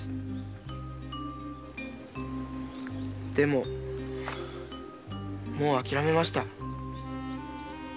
でももうあきらめました。